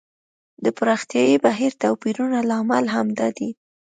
د پراختیايي بهیر توپیرونه لامل همدا دی.